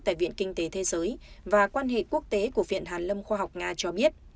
tại viện kinh tế thế giới và quan hệ quốc tế của viện hàn lâm khoa học nga cho biết